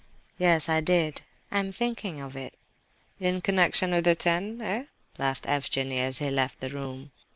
"Yes, I did; I am thinking of it." "In connection with 'the ten,' eh?" laughed Evgenie, as he left the room.